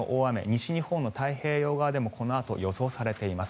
西日本の太平洋側でもこのあと予想されています。